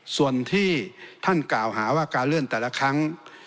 ส่วนที่ท่านกล่าวหาว่าการเลื่อนแต่ละครั้ง